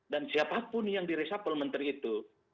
dan siapapun yang di resapel menteri itu